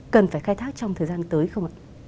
cần phải khai thác trong thời gian tới không ạ